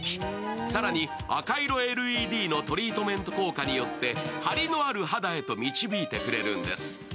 更に赤色ＬＥＤのトリートメント効果によってハリのある肌へと導いてくれるんです。